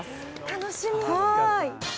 楽しみ。